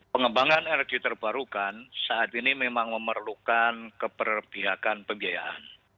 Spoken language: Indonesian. pengembangan energi terbarukan saat ini memang memerlukan keperbiakan pembiayaan